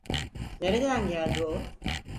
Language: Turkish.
Nereden geldi o?